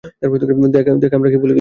দেখ আমরা কি ভুলে গেছি।